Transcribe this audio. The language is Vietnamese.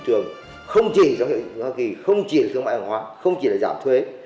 chúng ta cũng phải mở cửa thị trường không chỉ là thương mại hóa không chỉ là giảm thuế